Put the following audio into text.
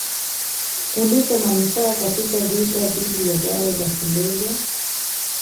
kuliko manufaa katika vita dhidi ya dawa za kulevya